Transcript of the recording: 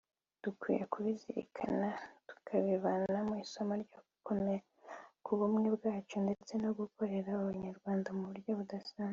Dukwiye kubizirikana tukabivanamo isomo ryo gukomera ku bumwe bwacu ndetse no gukorera Abanyarwanda mu buryo budasanzwe